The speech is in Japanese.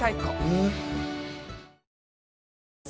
えっ？